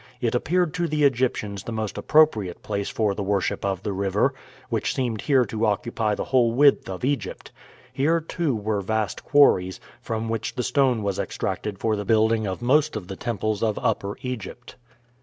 It appeared to the Egyptians the most appropriate place for the worship of the river, which seemed here to occupy the whole width of Egypt. Here, too, were vast quarries, from which the stone was extracted for the building of most of the temples of Upper Egypt.